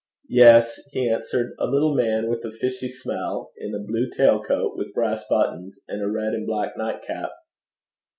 'Yes,' he answered, 'a little man with a fishy smell, in a blue tail coat with brass buttons, and a red and black nightcap.'